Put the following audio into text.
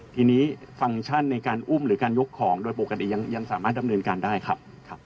ทีนี้ฟังก์ชันในการอุ้มหรือการยกของโดยปกติยังสามารถดำเนินการได้ครับ